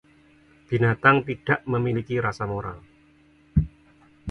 Binatang tidak memiliki rasa moral.